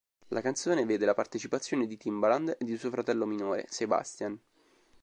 La canzone vede la partecipazione di Timbaland e di suo fratello minore, Sebastian.